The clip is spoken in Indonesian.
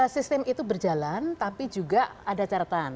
sistem itu berjalan tapi juga ada catatan